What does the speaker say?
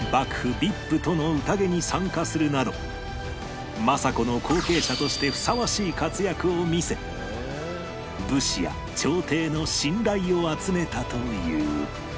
するなど政子の後継者としてふさわしい活躍を見せ武士や朝廷の信頼を集めたという